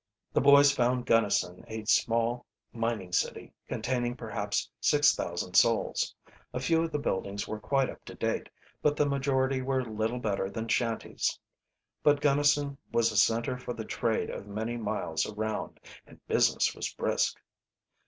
The boys found Gunnison a small mining city containing perhaps six thousand souls. A few of the buildings were quite up to date, but the majority were little better than shanties. But Gunnison was a center for the trade of many miles around, and business was brisk.